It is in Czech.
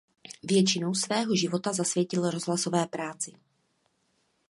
Většinu svého života zasvětil rozhlasové práci.